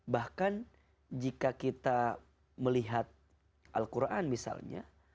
bahkan jika kita melihat al quran misalnya